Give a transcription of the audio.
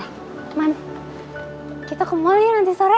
cuman kita ke mall ya nanti sore